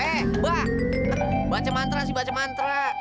eh mbak baca mantra sih baca mantra